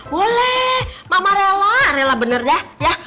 boleh mama rela rela bener deh ya